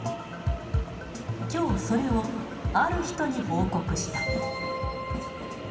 きょう、それをある人に報告した。